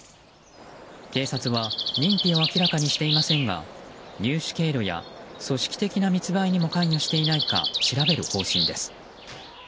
警察は認否を明らかにしていませんが入手経路や、組織的な密売にも関与していないか調べる方針です。